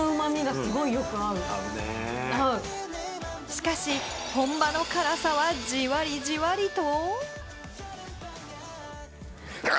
しかし本場の辛さは、じわりじわりと。